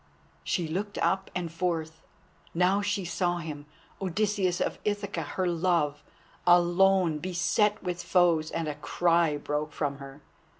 She looked up and forth. Now she saw him, Odysseus of Ithaca, her love, alone, beset with foes, and a cry broke from her.